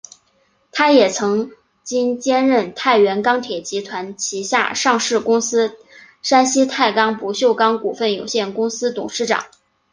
他也曾经兼任太原钢铁集团旗下上市公司山西太钢不锈钢股份有限公司董事长。